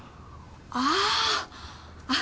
ああ！